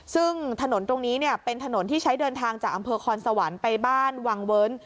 ซึ่งถนนตรงนี้เป็นถนนที่ใช้เดินทางจากอำเภอคอนสวรรค์ไปบ้านวังเวิร์น